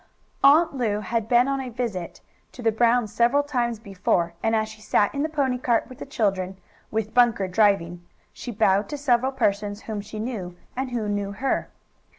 Aunt Lu had been on a visit to the Brown's several times before, and as she sat in the pony cart with the children, with Bunker driving, she bowed to several persons whom she knew and who knew her.